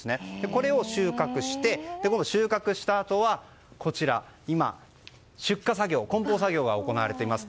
これを収穫して今度、収穫したあとはこちらで今、出荷作業梱包作業が行われています。